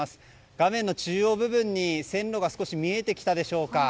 画面の中央部分に線路が少し見えてきたでしょうか。